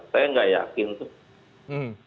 saya nggak yakin tuh